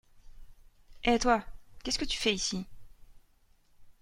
Hé toi, qu'est-ce que tu fais ici ?